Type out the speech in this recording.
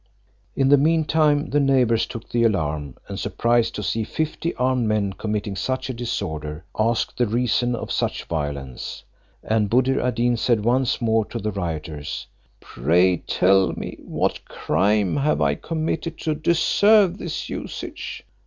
In the mean time the neighbours took the alarm, and surprised to see fifty armed men committing such a disorder, asked the reason of such violence; and Buddir ad Deen said once more to the rioters, "Pray tell me what crime I have committed to deserve this usage?"